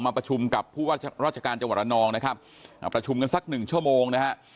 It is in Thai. ประชุมกับผู้ว่าราชการจังหวัดระนองนะครับอ่าประชุมกันสักหนึ่งชั่วโมงนะฮะ